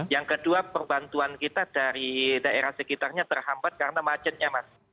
yang kedua perbantuan kita dari daerah sekitarnya terhambat karena macetnya mas